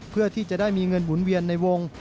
เพื่อที่จะได้มีเงินหมุนเวียนในวง